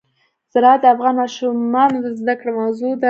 زراعت د افغان ماشومانو د زده کړې موضوع ده.